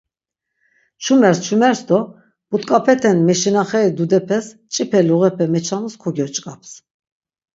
Çumers çumers do but̆k̆apeten meşinaxeri dudepes mç̆ipe luğepe meçanus kogyoç̆k̆aps.